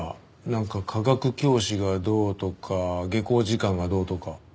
なんか化学教師がどうとか下校時間がどうとか。